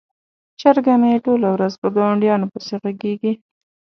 چرګه مې ټوله ورځ په ګاونډیانو پسې غږیږي.